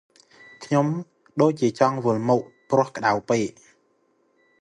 ខ្ញុំដូចជាចង់វិល់មុខ ព្រោះក្តៅពេក ។